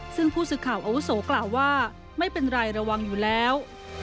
ซึ่งผู้สื่อข่าวอาวุโสกล่าวว่าไม่เป็นไรระวังอยู่แล้ว